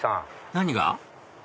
何が？